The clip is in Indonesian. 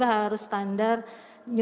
tapi harus standar new normal gitu